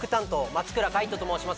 松倉海斗と申します